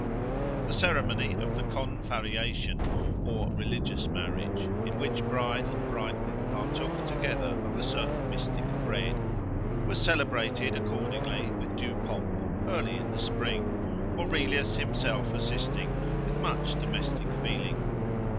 The ceremony of the Confarreation, or religious marriage, in which bride and bridegroom partook together of a certain mystic bread, was celebrated accordingly, with due pomp, early in the spring; Aurelius himself assisting, with much domestic feeling.